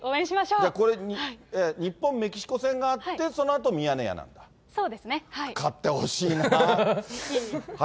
じゃあこれ、日本・メキシコ戦があって、そのあとミヤネ屋なそうですね。